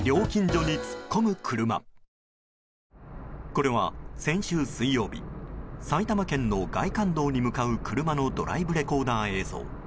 これは先週水曜日埼玉県の外環道に向かう車のドライブレコーダー映像。